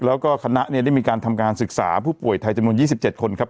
แล้วก็คณะเนี่ยได้มีการทำการศึกษาผู้ป่วยไทยจำนวน๒๗คนครับ